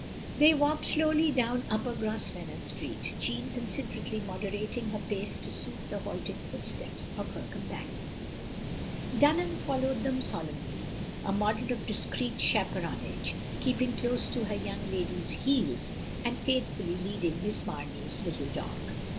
" They walked slowly down Upper Grosvenor Street, Jeanne considerately moderating her pace to suit the halting footsteps of her companion. 26o THE LONELY LADY Dtinham followed them solemnly — a, model of discreet chaperonage, keeping close to her yotmg lady's heels, and faithftilly leading Miss Mamey's little dog.